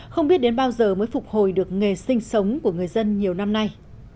không biết đến bao giờ mới phục hồi được nghề sinh sống của người dân nhiều năm nay